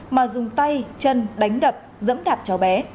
mà dùng tay chân đánh đập dẫm đạp cháu bé